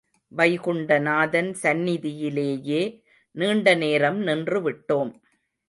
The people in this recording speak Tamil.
வைகுண்ட நாதன் சந்நிதியிலேயே நீண்டநேரம் நின்றுவிட்டோம்.